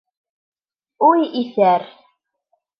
Уй, иҫәр!